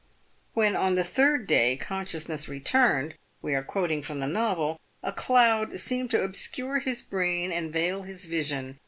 "When on the third day consciousness returned" — we are quoting from the novel —" a cloud seemed to ob scure his brain and veil his vision.